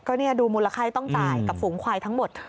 ก็นี่ดูมูลค่าที่ต้องจ่ายกับฝูงควายทั้งหมด